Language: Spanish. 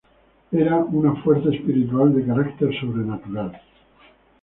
Era una fuerza espiritual de carácter sobrenatural.